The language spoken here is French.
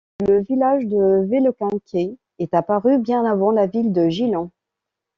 Le village de Velekincë est apparu bien avant la ville de Gjilan.